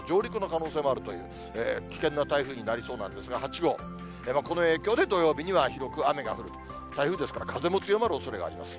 危険な台風になりそうなんですが、８号、この影響で土曜日には広く雨が降る、台風ですから、風も強まるおそれがあります。